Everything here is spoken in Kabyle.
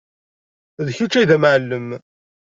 D kečč ay d amɛellem.